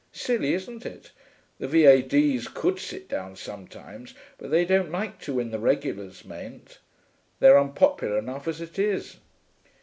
Silly, isn't it? The V.A.D.'s could sit down sometimes, but they don't like to when the regulars mayn't. They're unpopular enough as it is.